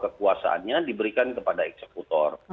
kekuasaannya diberikan kepada eksekutor